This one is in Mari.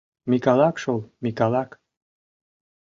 — Микалак, шол, Микалак...